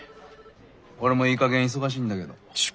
俺もいい加減忙しいんだけど。